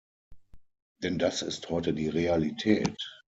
Denn das ist heute die Realität.